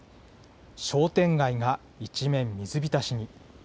商店街が一面水浸しに。